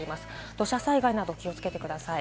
土砂災害などに気をつけてください。